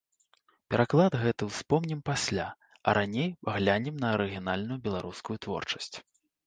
Пераклад гэты ўспомнім пасля, а раней глянем на арыгінальную беларускую творчасць.